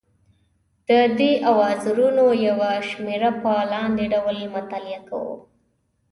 د دې اوزارونو یوه شمېره په لاندې ډول مطالعه کوو.